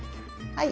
はい。